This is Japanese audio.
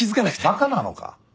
バカなのか？